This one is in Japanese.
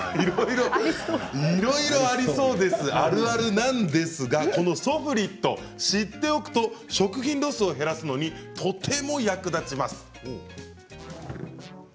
いろいろありそうですがこのソフリット、知っておくと食品ロスを減らすのにとても役立ちます。